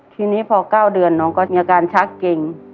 ทีนี้พอ๙เดือนน้องก็มีอาการชักเก่ง